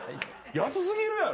安過ぎるやろ。